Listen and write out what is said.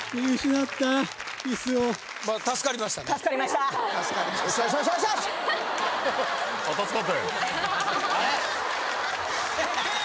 助かりましたー